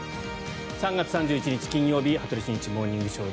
３月３１日、金曜日「羽鳥慎一モーニングショー」。